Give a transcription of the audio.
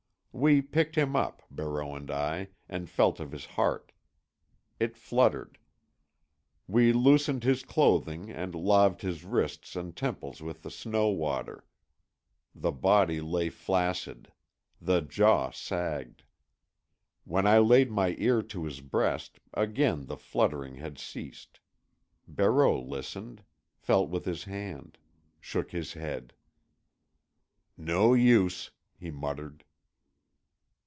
We picked him up, Barreau and I, and felt of his heart. It fluttered. We loosened his clothing, and laved his wrists and temples with the snow water. The body lay flaccid; the jaw sagged. When I laid my ear to his breast again the fluttering had ceased. Barreau listened; felt with his hand; shook his head. "No use," he muttered.